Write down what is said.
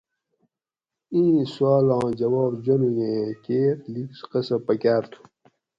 اِیں سوالاں جواب جانوگ ایں کیر لِیگ قصہ پکار تھُو